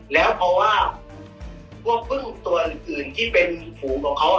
แล้วเพราะว่าพวกพึ่งตัวอื่นที่เป็นฝูงของเขา